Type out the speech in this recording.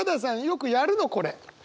よくやるのこれ！